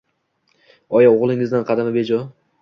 Oyi, o`g`lingizning qadami bejo